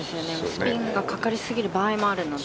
スピンがかかりすぎる場合もあると思うんで。